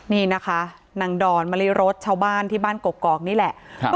นี่นะคะนางดอนมริรสชาวบ้านที่บ้านกกอกนี่แหละ